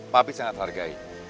papi sangat hargai